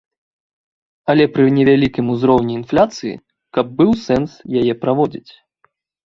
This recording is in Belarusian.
Але пры невялікім узроўні інфляцыі, каб быў сэнс яе праводзіць.